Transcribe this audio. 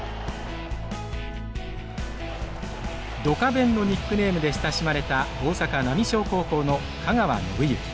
ドカベンのニックネームで親しまれた大阪浪商高校の香川伸行。